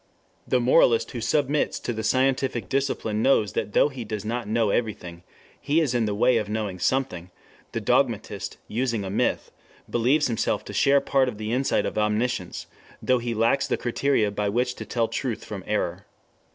The moralist who submits to the scientific discipline knows that though he does not know everything, he is in the way of knowing something; the dogmatist, using a myth, believes himself to share part of the insight of omniscience, though he lacks the criteria by which to tell truth from error.